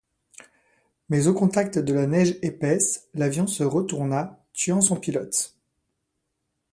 Mais au contact de la neige épaisse l’avion se retourna, tuant son pilote.